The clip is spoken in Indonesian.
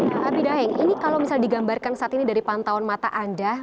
tapi daeng ini kalau misalnya digambarkan saat ini dari pantauan mata anda